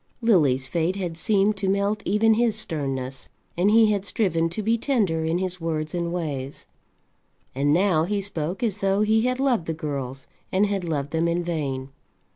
Lily's fate had seemed to melt even his sternness, and he had striven to be tender in his words and ways. And now he spoke as though he had loved the girls, and had loved them in vain.